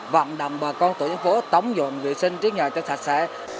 vọng đồng bà con tổ dân phố tống dồn vệ sinh trước nhà cho sạch sẽ